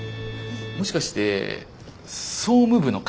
もしかして総務部の方？